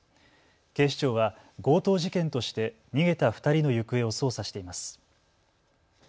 警視庁は強盗事件として逃げた２人の行方を捜査しています。